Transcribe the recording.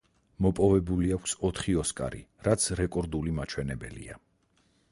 მოპოვებული აქვს ოთხი ოსკარი, რაც რეკორდული მაჩვენებელია.